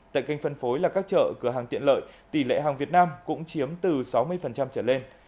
tại kênh phân phối là các chợ cửa hàng tiện lợi tỷ lệ hàng việt nam cũng chiếm từ sáu mươi trở lên